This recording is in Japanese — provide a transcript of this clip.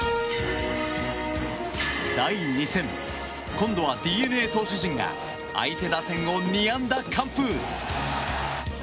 第２戦、今度はＤｅＮＡ投手陣が相手打線を２安打完封。